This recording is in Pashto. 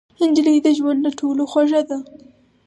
نجلۍ د ژوند له ټولو خوږه ده.